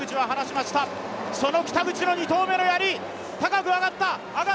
その北口の２投目のやり高く上がった。